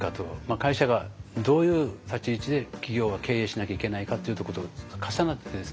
会社がどういう立ち位置で企業は経営しなきゃいけないかっていうとこと重なってですね。